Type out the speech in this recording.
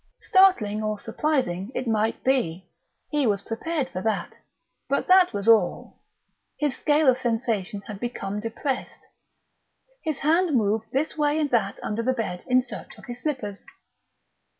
Startling or surprising it might be; he was prepared for that; but that was all; his scale of sensation had become depressed. His hand moved this way and that under the bed in search of his slippers....